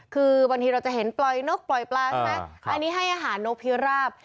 คือบางทีเราจะเห็นปล่อยนกปล่อยปลาใช่ไหมอันนี้ให้อาหารนกพิราบ